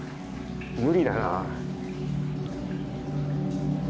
無理だな。